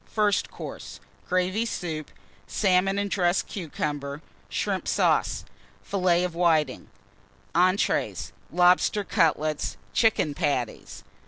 FIRST COURSE Gravy Soup. Salmon and Dressed Cucumber. Shrimp Sauce. Fillets of Whitings. ENTREES. Lobster Cutlets. Chicken Patties.